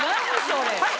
それ。